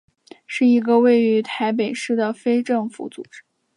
是一个位于台北市的非政府组织。